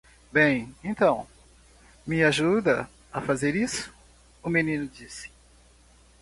"Bem, então? me ajuda a fazer isso?" o menino disse.